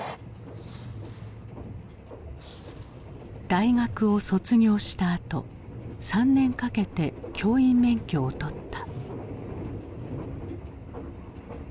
大学を卒業したあと３年かけて教員免許を取った。